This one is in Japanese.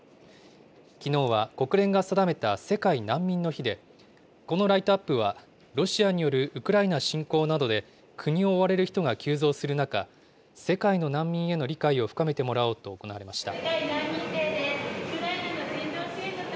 きのうは国連が定めた世界難民の日で、このライトアップは、ロシアによるウクライナ侵攻などで国を追われる人が急増する中、世界の難民への理解を深めてもらおうと行われました。